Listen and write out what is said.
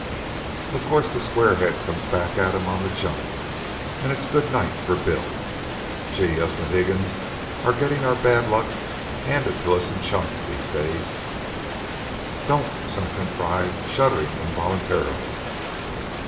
Of course the squarehead comes back at 'm on the jump, an' it's good night for Bill. Gee! Us Mohegans are gettin' our bad luck handed to us in chunks these days." "Don't!" Saxon cried, shuddering involuntarily.